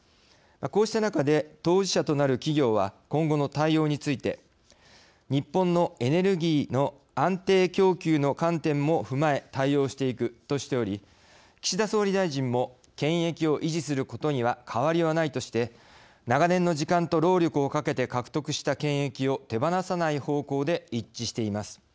こうした中で当事者となる企業は今後の対応について日本のエネルギーの安定供給の観点も踏まえ対応していくとしており岸田総理大臣も権益を維持することには変わりはないとして長年の時間と労力をかけて獲得した権益を手放さない方向で一致しています。